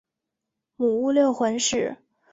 母乌六浑氏。